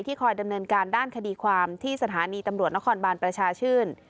คอยดำเนินการด้านคดีความที่สถานีตำรวจนครบานประชาชื่น